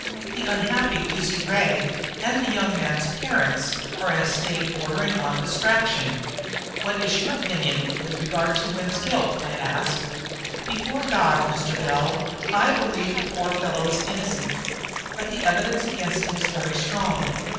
The unhappy Lucy Ray and the young man's parents are in a state bordering on distraction." "What is your own opinion with regard to Wynne's guilt?" I asked. "Before God, Mr. Bell, I believe the poor fellow is innocent, but the evidence against him is very strong.